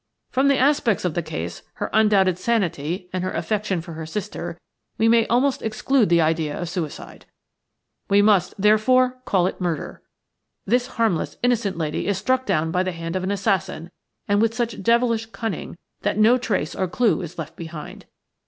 From the aspects of the case, her undoubted sanity and her affection for her sister, we may almost exclude the idea of suicide. We must, therefore, call it murder. This harmless, innocent lady is struck down by the hand of an assassin, and with such devilish cunning that no trace or clue is left behind.